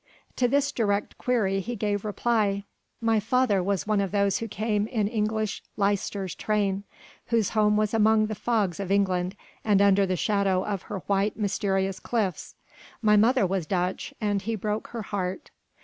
To this direct query he gave reply: "My father was one of those who came in English Leicester's train, whose home was among the fogs of England and under the shadow of her white, mysterious cliffs. My mother was Dutch and he broke her heart...."